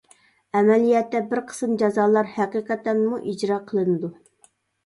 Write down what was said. ئەمەلىيەتتە بىر قىسىم جازالار ھەقىقەتەنمۇ ئىجرا قىلىنىدۇ.